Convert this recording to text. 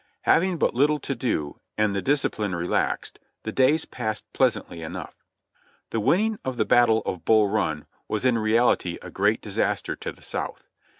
Having but little to do and the discipline relaxed, the days passed pleasantly enough. The winning of the battle of Bull Run was in reality a great disaster to the South.